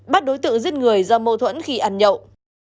bắt đối tượng giết người do mâu thuẫn khi ăn nhậu